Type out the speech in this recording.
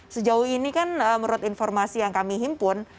sejauh ini kan menurut informasi yang kami himpun